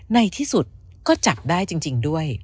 ในที่สุดก็จับได้จริงด้วย